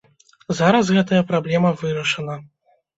Зараз гэтая праблема вырашана.